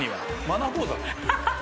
マナー講座？